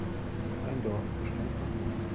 Ein Dorf bestand noch nicht.